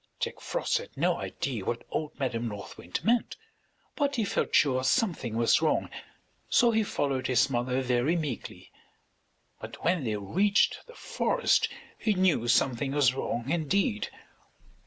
Jack Frost had no idea what old Madam North Wind meant, but he felt sure something was wrong, so he followed his mother very meekly; but when they reached the forest he knew something was wrong indeed.